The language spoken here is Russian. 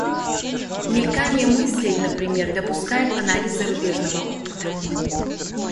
Мелькание мыслей, например, допускает анализ зарубежного опыта.